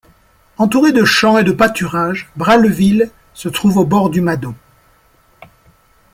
Entouré de champs et de pâturages, Bralleville se trouve au bord du Madon.